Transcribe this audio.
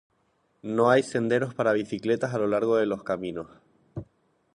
No hay senderos para bicicletas a lo largo de los caminos.